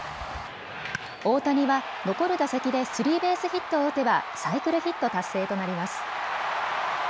大谷は残る打席でスリーベースヒットを打てばサイクルヒット達成となります。